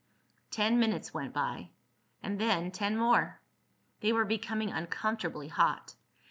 Ten minutes went by, and then ten more. They were becoming uncomfortably hot.